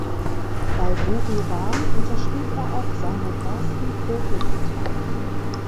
Bei Buriram unterschrieb er auch seinen ersten Profivertrag.